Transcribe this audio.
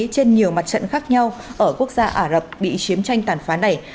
trên nhiều mặt trận khác nhau ở quốc gia ả rập bị chiếm tranh tàn phá này